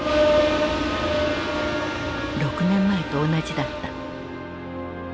６年前と同じだった。